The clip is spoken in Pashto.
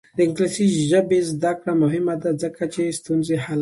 د انګلیسي ژبې زده کړه مهمه ده ځکه چې ستونزې حل کوي.